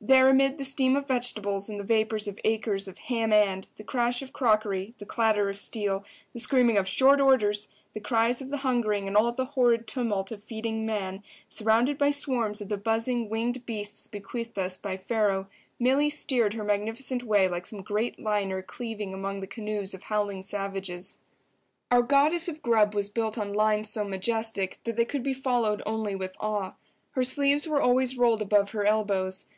There amid the steam of vegetables and the vapours of acres of "ham and," the crash of crockery, the clatter of steel, the screaming of "short orders," the cries of the hungering and all the horrid tumult of feeding man, surrounded by swarms of the buzzing winged beasts bequeathed us by Pharaoh, Milly steered her magnificent way like some great liner cleaving among the canoes of howling savages. Our Goddess of Grub was built on lines so majestic that they could be followed only with awe. Her sleeves were always rolled above her elbows.